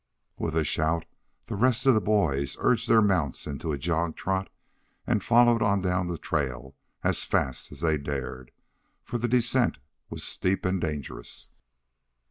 With a shout the rest of the boys urged their mounts into a jog trot and followed on down the trail as fast as they dared, for the descent was steep and dangerous.